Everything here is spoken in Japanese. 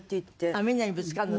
あっみんなにぶつかるの？